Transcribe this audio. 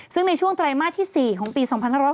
ซึ่งในช่วงไตรมาสที่๔ของปี๒๕๖๐